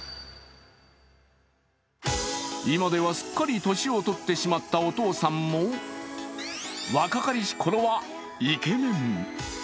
今ではすっかり年を取ってしまったお父さんも若かりしころはイケメン。